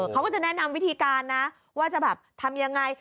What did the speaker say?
เขาก็จะแนะนำวิธีการนะว่าจะแบบทำยังไง